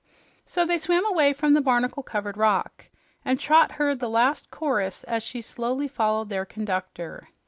So they swam away from the barnacle covered rock, and Trot heard the last chorus as she slowly followed their conductor.